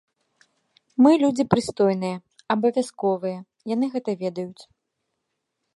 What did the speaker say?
Мы людзі прыстойныя, абавязковыя, яны гэта ведаюць.